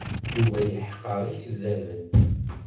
Yuba yeḥqer ikeddaben.